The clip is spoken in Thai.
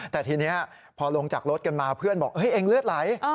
แต่ทีนี้พอลงจากรถกันมาเพื่อนบอกเองเลือดไหล